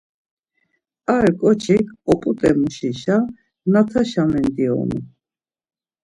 Ar ǩoçik, oput̆emuşişa Nataşa mendionu.